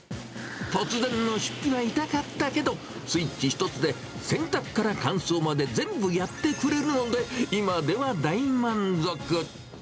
突然の出費は痛かったけど、スイッチ一つで洗濯から乾燥まで全部やってくれるので、今では大満足。